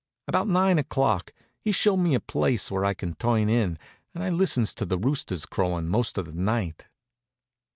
About nine o'clock he shows me a place where I can turn in, and I listens to the roosters crowin' most of the night.